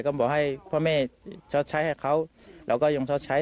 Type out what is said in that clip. ก็บอกให้พ่อแม่ชดใช้ให้เขาเราก็ยังชดใช้